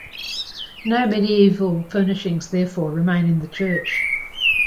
No medieval furnishings therefore remain in the church.